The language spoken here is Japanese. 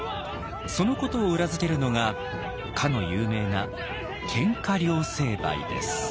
そのことを裏付けるのがかの有名な「喧嘩両成敗」です。